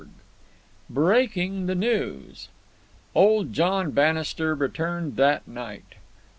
Breaking the News Old John Bannister returned that night.